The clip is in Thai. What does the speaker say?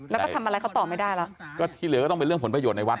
แล้วก็ทำอะไรเขาต่อไม่ได้แล้วก็ที่เหลือก็ต้องเป็นเรื่องผลประโยชน์ในวัด